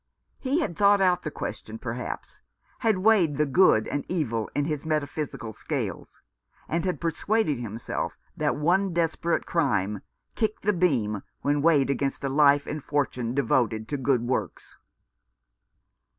He had thought out the question, perhaps ; 369 2 B Rough Justice. had weighed the good and evil in his meta physical scales ; and had persuaded himself that one desperate crime kicked the beam when weighed against a life and fortune devoted to good works.